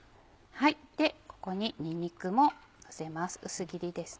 ここににんにくものせます